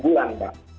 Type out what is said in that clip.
tiga enam bulan mbak